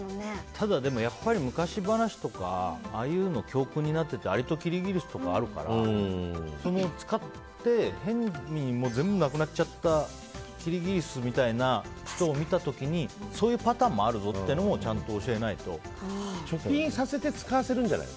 ただ昔話とかああいうのが教訓になってて「アリとキリギリス」とかあるから使って変に全部なくなっちゃったキリギリスみたいな人を見た時にそういうパターンもあるぞって貯金させて使わせるんじゃないの？